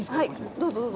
どうぞ、どうぞ。